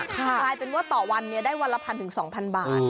กลายเป็นว่าต่อวันได้วันละ๑๐๐๒๐๐บาท